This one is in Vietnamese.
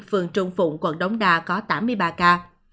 phường trung phụng quận đống đa có tám mươi ba ca